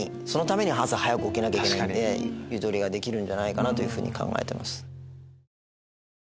そのために朝早く起きなきゃいけないんでゆとりができるんじゃないかなというふうに考えてます。